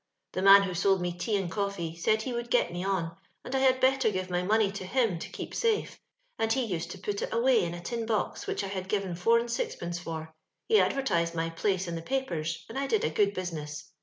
Tho man who sold me tea and coffee said lie would get me on, and I had better give my money to him to keep safe, und he used to put it away in a tin box which I had given four and bixpcuce for. lie advertised my place in the papers, and I did a good busin: ss.